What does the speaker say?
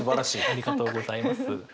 ありがとうございます。